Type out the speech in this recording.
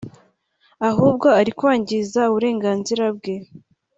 ahubwo ari ukwangiza uburenganzira bwe”